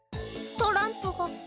「トランプが」